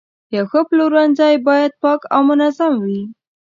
یو ښه پلورنځی باید پاک او منظم وي.